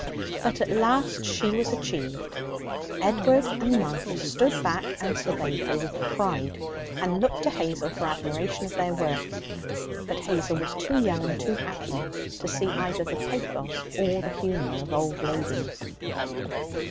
But at last she was achieved. Edward and Martha stood back and surveyed her with pride, and looked to Hazel for admiration of their work; but Hazel was too young and too happy to see either the pathos or the humour of old ladies.